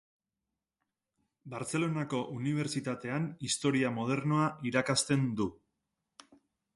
Bartzelonako Unibertsitatean Historia Modernoa irakasten du.